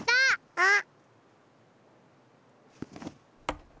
あっ！